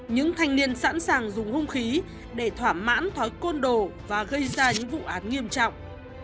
những thanh niên sẵn sàng dùng hung khí để thỏa mãn thói côn đồ và gây ra những vụ án nghiêm trọng